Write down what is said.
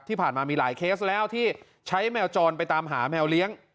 ที่ผ่านมามีหลายเคสแล้วที่ใช้แมวจรไปตามหาแมวเลี้ยง